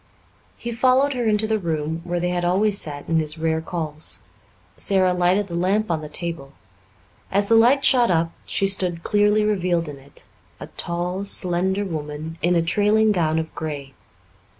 He followed her into the room where they had always sat in his rare calls. Sara lighted the lamp on the table. As the light shot up she stood clearly revealed in it a tall, slender woman in a trailing gown of grey.